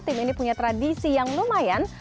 tim ini punya tradisi yang lumayan